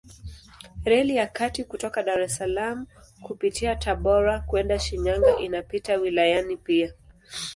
Reli ya kati kutoka Dar es Salaam kupitia Tabora kwenda Shinyanga inapita wilayani pia.